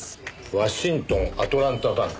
ワシントン・アトランタ・バンク？